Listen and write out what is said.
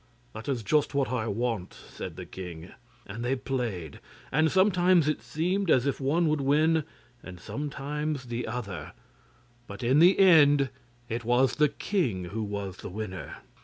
'That is just what I want,' said the king, and they played; and sometimes it seemed as if one would win, and sometimes the other, but in the end it was the king who was the winner.